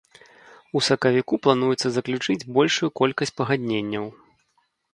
У сакавіку плануецца заключыць большую колькасць пагадненняў.